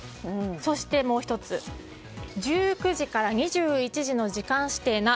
そして、もう１つ１９時から２１時の時間指定な！